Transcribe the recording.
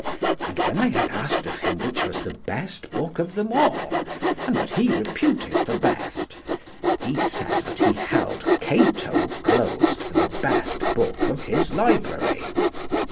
And when they had asked of him which was the best book of them all, and that he reputed for best, he said that he held Cato glosed for the best book of his library.